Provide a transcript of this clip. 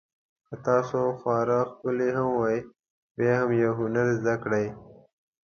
که تاسو خورا ښکلي هم وئ بیا هم یو هنر زده کړئ.